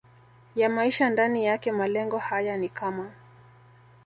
ya maisha ndani yake Malengo haya ni kama